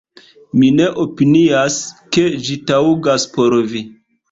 Mi ne opinias, ke ĝi taŭgas por vi"".